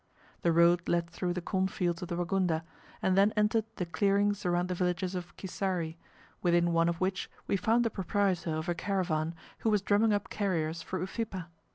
The road led through the cornfields of the Wagunda, and then entered the clearings around the villages of Kisari, within one of which we found the proprietor of a caravan who was drumming up carriers for Ufipa.